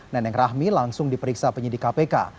neneng rahmi langsung diperiksa penyidik kpk